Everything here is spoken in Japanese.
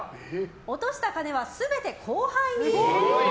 落とした金は全て後輩に！